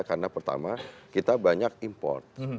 karena pertama kita banyak import